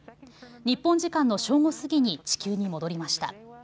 日本時間の正午過ぎに地球に戻りました。